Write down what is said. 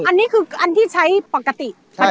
อันนี้คืออันที่ใช้ปกติ